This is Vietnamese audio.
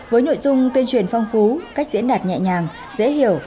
với nội dung tuyên truyền phong phú cách diễn đạt nhẹ nhàng dễ hiểu